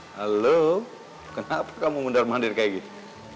halo kenapa kamu mundar mandir kayak gitu